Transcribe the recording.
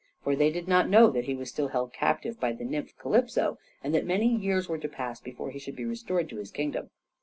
For they did not know that he was still held captive by the nymph Calypso, and that many years were to pass before he should be restored to his kingdom.